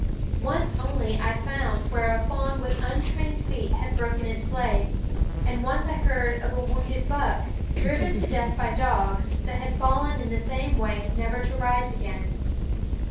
Once only I found where a fawn with untrained feet had broken its leg; and once I heard of a wounded buck, driven to death by dogs, that had fallen in the same way never to rise again.